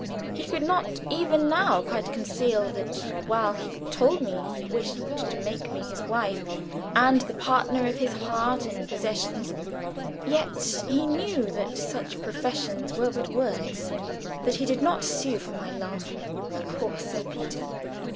He could not even now quite conceal that while he told me he wished to make me his wife and the partner of his heart and possessions, yet he knew that such professions were but words that he did not sue for my love (poor Sir Peter!